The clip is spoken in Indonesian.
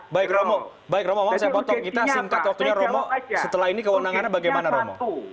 baik romo baik romo saya potong kita singkat waktunya romo setelah ini kewenangannya bagaimana romo